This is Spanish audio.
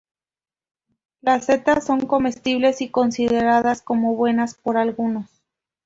Las setas son comestibles, y consideradas como buenas por algunos.